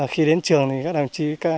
khi đến trường thì các đồng chí